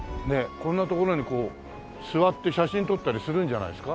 こんな所にこう座って写真撮ったりするんじゃないんですか？